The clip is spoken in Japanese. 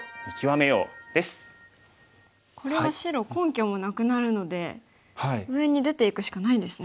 これは白根拠もなくなるので上に出ていくしかないですね。